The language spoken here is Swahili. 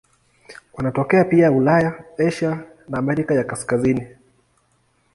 Wanatokea pia Ulaya, Asia na Amerika ya Kaskazini.